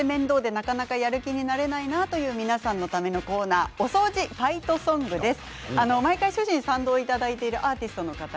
なかなかやる気になれないなという皆さんのためのコーナー「お掃除ファイトソング」です。